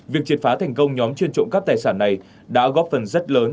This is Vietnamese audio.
việc triệt phá thành công nhóm chuyên trộm cắp tài sản này đã góp phần rất lớn